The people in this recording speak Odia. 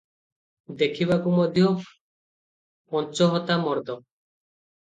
ଦେଖିବାକୁ ମଧ୍ୟ ପଞ୍ଚହତା ମର୍ଦ୍ଦ ।